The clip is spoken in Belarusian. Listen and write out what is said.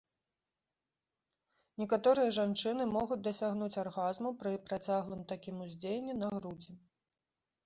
Некаторыя жанчыны могуць дасягнуць аргазму пры працяглым такім уздзеяннем на грудзі.